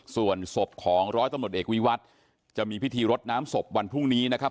ส่วนศพของร้อยตำรวจเอกวิวัตรจะมีพิธีรดน้ำศพวันพรุ่งนี้นะครับ